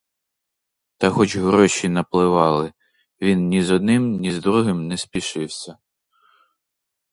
Та хоч гроші напливали, він ні з одним, ні з другим не спішився.